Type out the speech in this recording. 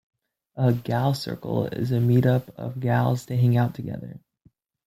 A "gal circle" is a meet up of gals to hang out together.